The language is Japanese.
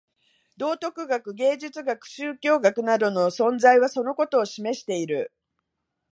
道徳学、芸術学、宗教学等の存在はそのことを示している。